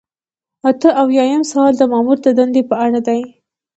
اته اویایم سوال د مامور د دندې په اړه دی.